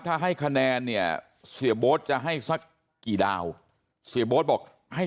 เขาไม่ได้เป็นนักมวยอาชีพนะครับ